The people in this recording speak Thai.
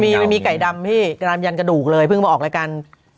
มันมีไก่ดำพี่กระดามยันกระดูกเลยเพิ่งมาออกรายการ